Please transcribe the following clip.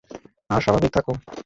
আর স্বাভাবিক থাকো।